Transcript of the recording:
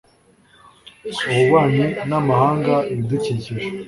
ububanyi n amahanga ibidukikije